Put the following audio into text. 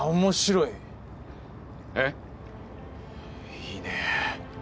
いいねえ。